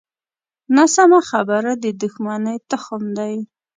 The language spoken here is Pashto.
ناسمه خبره د دوښمنۍ تخم دی